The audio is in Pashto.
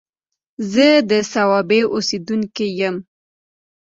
زه د صوابۍ اوسيدونکی يم